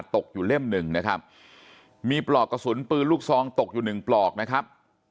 ตกอยู่เล่มหนึ่งนะครับมีปลอกกระสุนปืนลูกซองตกอยู่หนึ่งปลอกนะครับ